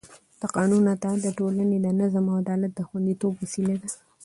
د قانون اطاعت د ټولنې د نظم او عدالت د خونديتوب وسیله ده